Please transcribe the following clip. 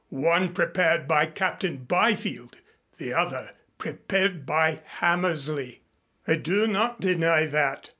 One prepared by Captain Byfield the other prepared by Hammersley." "I do not deny that.